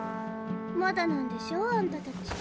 まだなんでしょあんたたち。